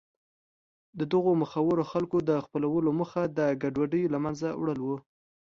د دغو مخورو خلکو د خپلولو موخه د ګډوډیو له منځه وړل و.